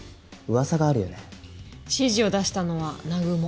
指示を出したのは南雲。